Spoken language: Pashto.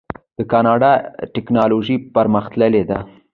د کاناډا ټیکنالوژي پرمختللې ده.